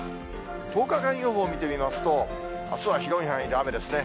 １０日間予報見てみますと、あすは広い範囲で雨ですね。